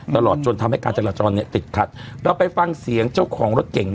ตลอดจนทำให้การจราจรเนี่ยติดขัดเราไปฟังเสียงเจ้าของรถเก่ง